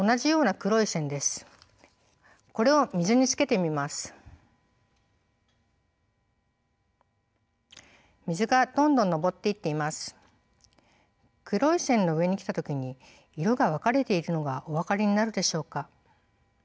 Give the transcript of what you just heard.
黒い線の上に来た時に色が分かれているのがお分かりになるでしょうか？